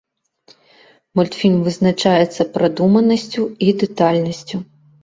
Мультфільм вызначаецца прадуманасцю і дэтальнасцю.